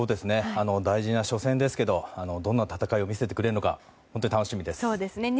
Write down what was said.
大事な初戦ですけどどんな戦いを見せてくれるか本当に楽しみです。